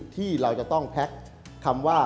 ที่เราจะต้องแพ็คคำว่า